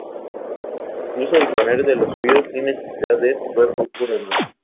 Incluso disponer de lo suyo sin necesidad de tutor o curador.